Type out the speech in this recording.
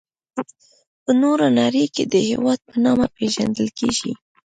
په نوره نړي کي د هیواد په نامه پيژندل کيږي.